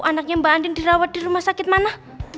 anaknya mbak andin dirawat di rumah sakit mana